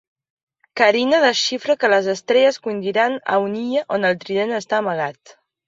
Carina desxifra que les estrelles conduiran a una illa on el Trident està amagat.